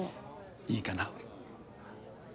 いいかな？